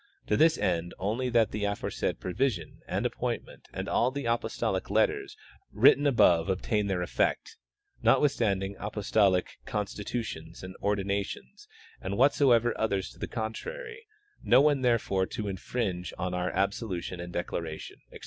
to this end only that the aforesaid provision and appointment and all the apostolic letters written above obtain their effect, notwithstanding apostolic con s titutions and ordinations and whatsoever others to the contrary ; no one therefore to infringe on our al>solution and declaration, etc.